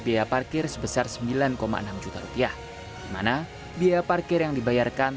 biaya parkir sebesar rp sembilan enam juta di mana biaya parkir yang dibayarkan